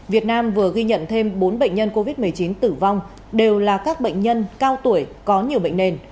việt nam vừa ghi nhận thêm bốn bệnh nhân covid một mươi chín tử vong đều là các bệnh nhân cao tuổi có nhiều bệnh nền